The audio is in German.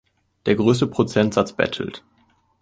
Der größte Prozentsatz bettelt.